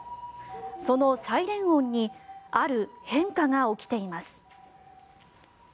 そのサイレン音にある変化が起きています。